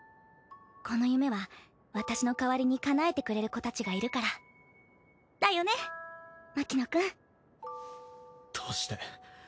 この夢は私の代わりにかなえてくれる子たちがいるから。だよね？牧野くん。どうして。